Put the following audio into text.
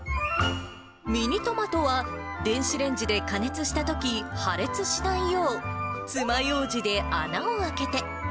ミニトマトは電子レンジで加熱したとき、破裂しないよう、つまようじで穴を開けて。